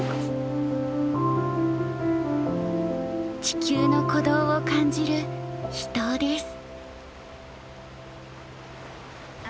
地球の鼓動を感じる秘湯です。